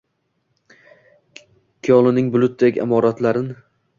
Kyolьnning bulutdek imoratlarin…